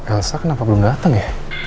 elsa kenapa belum datang ya